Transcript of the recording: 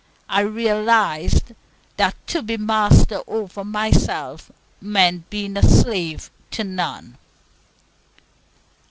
I realized that to be master over myself meant being a slave to none.